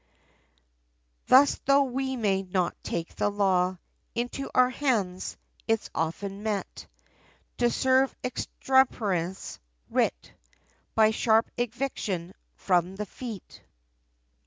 Thus tho' we may not take the law, Into our hands, it's often meet, To serve extemporaneous writ By sharp eviction, from the feet.